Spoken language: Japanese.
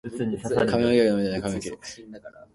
髪の毛が伸びたので、髪を切る。